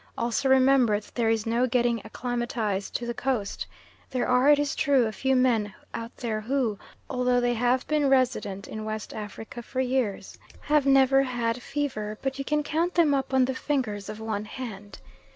Also remember that there is no getting acclimatised to the Coast. There are, it is true, a few men out there who, although they have been resident in West Africa for years, have never had fever, but you can count them up on the fingers of one hand.